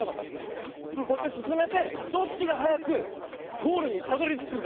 こうやってすすめてどっちがはやくゴールにたどりつくか。